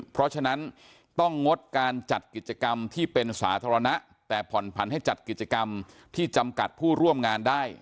เพราะฉะนั้นต้องงดการจัดกิจกรรมที่เป็นสาธารณะแต่ผ่อนผันให้จัดกิจกรรมที่จำกัดผู้ร่วมงานได้